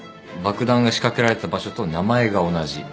爆弾が仕掛けられた場所と名前が同じ。